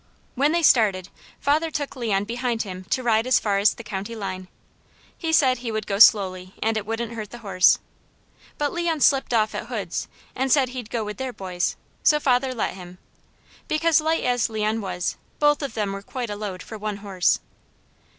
When they started, father took Leon behind him to ride as far as the county line. He said he would go slowly, and it wouldn't hurt the horse, but Leon slipped off at Hoods', and said he'd go with their boys, so father let him, because light as Leon was, both of them were quite a load for one horse.